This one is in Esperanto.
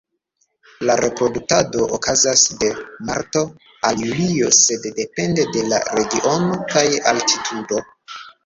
La reproduktado okazas de marto al julio, sed depende de la regiono kaj altitudo.